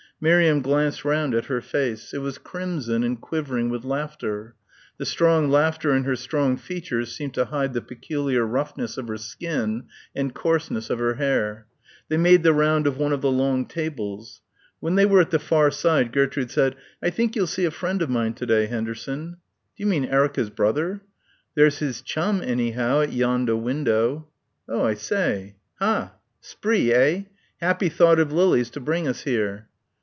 Miriam glanced round at her face. It was crimson and quivering with laughter. The strong laughter and her strong features seemed to hide the peculiar roughness of her skin and coarseness of her hair. They made the round of one of the long tables. When they were on the far side Gertrude said, "I think you'll see a friend of mine to day, Henderson." "D'you mean Erica's brother?" "There's his chum anyhow at yondah window." "Oh, I say." "Hah! Spree, eh? Happy thought of Lily's to bring us here."